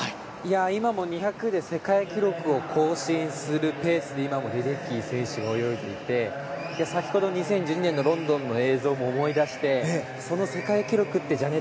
今も２００で世界記録を更新するペースで今もレデッキー選手が泳いでいて先ほど２０１２年のロンドンの映像を思い出して。